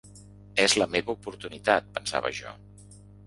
És la meva oportunitat, pensava jo.